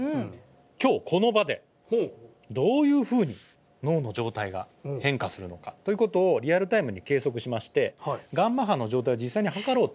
今日この場でどういうふうに脳の状態が変化するのかということをリアルタイムに計測しましてガンマ波の状態を実際に測ろうと。